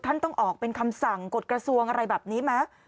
ต้องออกเป็นคำสั่งกฎกระทรวงอะไรแบบนี้ไหม